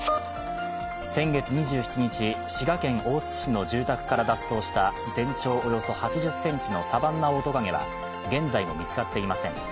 先月２７日、滋賀県大津市の住宅から脱走した全長およそ８０ｃｍのサバンナオオトカゲは現在も見つかっていません。